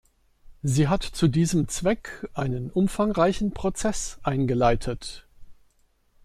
Sie hat zu diesem Zweck einen umfangreichen Prozess eingeleitet.